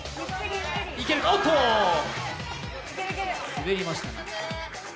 滑りましたか。